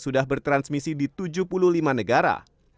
sudah bertransmisi di tujuh puluh lima negara